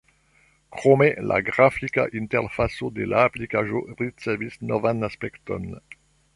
Krome la grafika interfaco de la aplikaĵo ricevis novan aspekton.